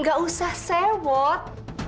nggak usah sewot